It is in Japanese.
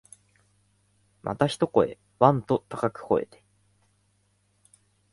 また一声、わん、と高く吠えて、